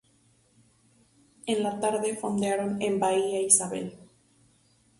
En la tarde fondearon en bahía Isabel.